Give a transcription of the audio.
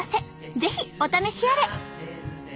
是非お試しあれ！